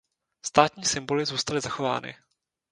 Státní symboly zůstaly zachovány.